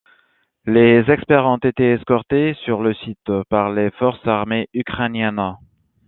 Les experts ont été escortés sur le site par les forces armées ukrainiennes.